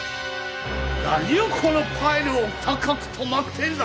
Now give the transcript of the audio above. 何をこのパイルお高くとまってんだ！